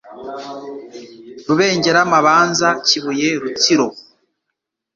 Rubengera Mabanza Kibuye Rutsiro